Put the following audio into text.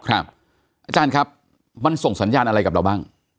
อาจารย์ครับมันส่งสัญญาณอะไรกับเราบ้าง